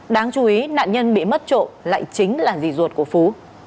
đáng chú ý nạn nhân bị mất trộm lại chính là gì ruột của phú